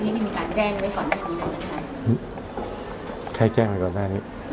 ความขอบความขอต่างที่ไม่มีการแจ้งไว้ก่อนที่ดีสังสัญญา